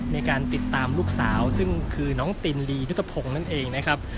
ในการติดตามลูกสาวซึ่งคือน้องตินลียุทธพงศ์นั่นเองนะครับ